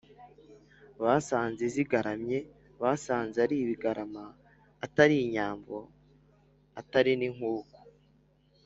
basanze zigaramye: basanze ari ibigarama; atari inyambo; atari n’inkuku;